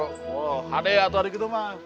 oh hadiah tuh hari gitu mak